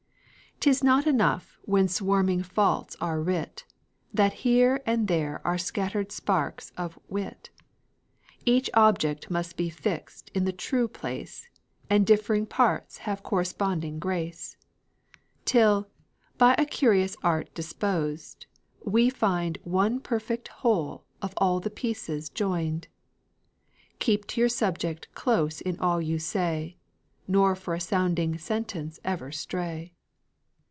'Tis not enough, when swarming faults are writ, That here and there are scattered sparks of wit; Each object must be fixed in the true place, And differing parts have corresponding grace; Till, by a curious art disposed, we find One perfect whole of all the pieces joined. Keep to your subject close in all you say, Nor for a sounding sentence ever stray.